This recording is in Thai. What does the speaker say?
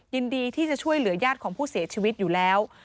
ยินดีที่จะช่วยเหลือญาติของผู้เสียชีวิตอยู่แล้ว